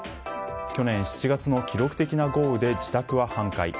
去年７月の記録的な豪雨で自宅は半壊。